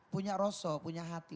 punya rosoh punya hati